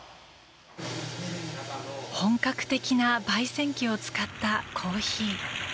本格的な焙煎機を使ったコーヒー。